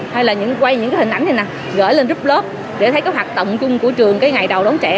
hay là quay những hình ảnh này nè gửi lên group lớp để thấy các hoạt động chung của trường cái ngày đầu đón trẻ